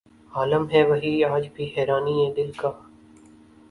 عالم ہے وہی آج بھی حیرانئ دل کا